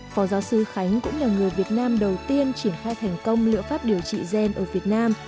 phó giáo sư khánh cũng là người việt nam đầu tiên triển khai thành công liệu pháp điều trị gen ở việt nam